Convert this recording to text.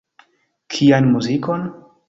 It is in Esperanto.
Kian muzikon?